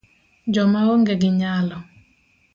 jo ma onge gi nyalo